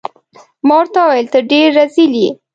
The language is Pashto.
ما ورته وویل: ته ډیر رزیل يې.